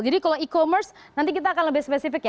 jadi kalau e commerce nanti kita akan lebih spesifik ya